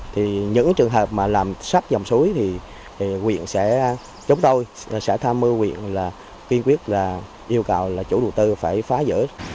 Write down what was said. thì những trường hợp mà làm sắp dòng suối thì huyện sẽ chống đôi sẽ tham mưu huyện là kiên quyết là yêu cầu là chủ đầu tư phải phá giỡn